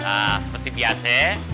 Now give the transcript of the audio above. nah seperti biasa